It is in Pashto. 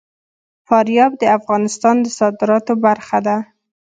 فاریاب د افغانستان د صادراتو برخه ده.